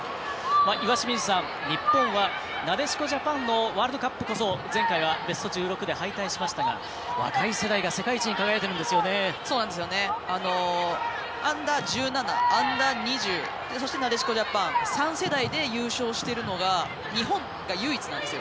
岩清水さん、日本はなでしこジャパンのワールドカップこそ前回はベスト１６で敗退しましたが若い世代が世界一にＵ‐１７、Ｕ‐２０そして、なでしこジャパン３世代で優勝しているのが日本が唯一なんですよ。